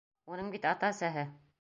Уның бит ата-әсәһе...